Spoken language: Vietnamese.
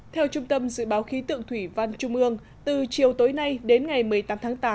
theo trung tâm dự báo khí tượng thủy văn trung ương từ chiều tối nay đến ngày một mươi tám tháng tám